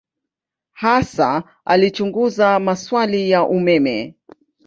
Hasa alichunguza maswali ya umeme.